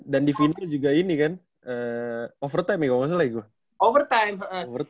dan divindu juga ini kan eh